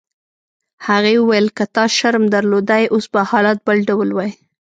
هغې وویل: که تا شرم درلودای اوس به حالات بل ډول وای.